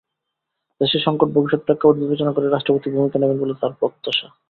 দেশের সংকট, ভবিষ্যত্ প্রেক্ষাপট বিবেচনা করেই রাষ্ট্রপতি ভূমিকা নেবেন বলে তাঁর প্রত্যাশা।